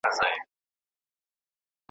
مخ یې ونیوۍ د لیري وطن لورته ,